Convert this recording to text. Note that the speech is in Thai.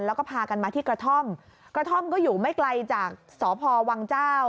แล้วก็พากันมาที่กระท่อมกระท่อมก็อยู่ไม่ไกลจากสพวังเจ้า